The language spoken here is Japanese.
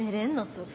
それ。